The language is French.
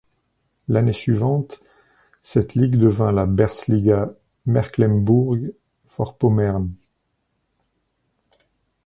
L’année suivante, cette ligue devint la Berziksliga Mecklemburg-Vorpommern.